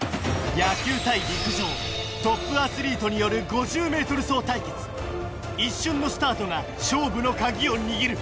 野球対陸上トップアスリートによる５０ｍ走対決一瞬のスタートが勝負のカギを握る！